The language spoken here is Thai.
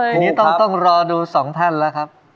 ตอนนี้ต้องต้องรอดูสองท่านละครับ